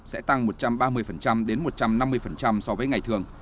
sẽ tăng một trăm ba mươi đến một trăm năm mươi so với ngày thường